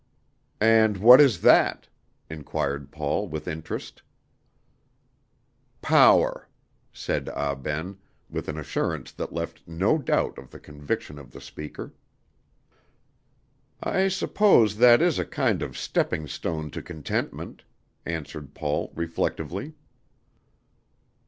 "And what is that?" inquired Paul, with interest. "Power" said Ah Ben, with an assurance that left no doubt of the conviction of the speaker. "I suppose that is a kind of stepping stone to contentment," answered Paul, reflectively.